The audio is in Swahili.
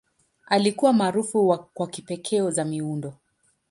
Alikuwa maarufu kwa kipekee za miundo.